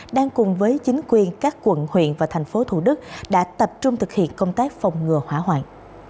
đang cùng với chính quyền các quận huyện và thành phố thủ đức đã tập trung thực hiện công tác phòng ngừa hỏa hoạn